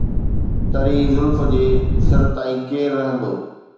تري زلف جي سر تائين ڪير رهندو؟